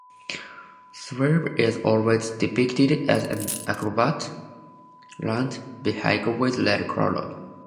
Swerve is always depicted as an Autobot land vehicle with red color.